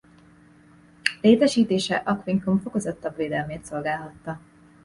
Létesítése Aquincum fokozottabb védelmét szolgálhatta.